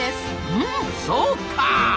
うんそうか！